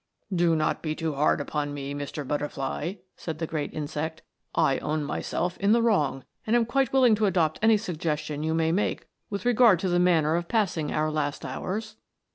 " Do not be too hard upon me, Mr. Butterfly," said the great insect ;" I own myself in the wrong, and am quite willing to adopt any suggestion you may make with regard to the manner of passing our last hours."